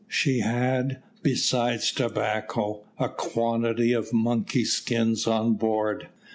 She had, besides tobacco, a quantity of monkey skins on board.